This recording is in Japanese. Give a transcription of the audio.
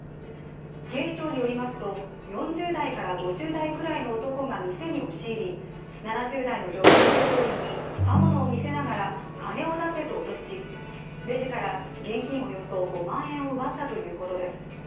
警視庁によりますと、４０５０代くらいの男が店に押し入り、７０代の女性従業員に刃物を見せながら金を出せと脅し、レジから現金およそ５万円を奪ったということです。